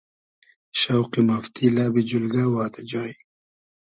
شۆقی مافتی، لئبی جولگۂ وادۂ جای